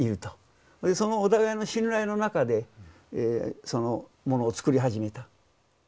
そのお互いの信頼の中でものを作り始めた。